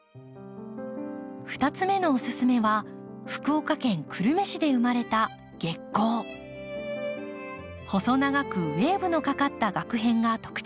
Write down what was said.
２つ目のお勧めは福岡県久留米市で生まれた細長くウエーブのかかったガク片が特徴です。